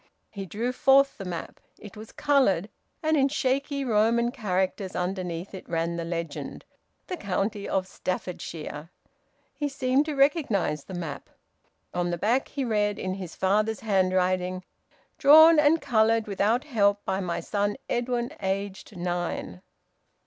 He drew forth the map. It was coloured, and in shaky Roman characters underneath it ran the legend, "The County of Staffordshire." He seemed to recognise the map. On the back he read, in his father's handwriting: "Drawn and coloured without help by my son Edwin, aged nine."